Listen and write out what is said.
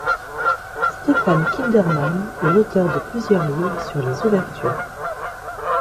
Stefan Kindermann est l'auteur de plusieurs livres sur les ouvertures.